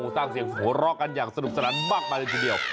สร้างเสียงโหรอกันอย่างสนุกสนานมากมากทีเดียว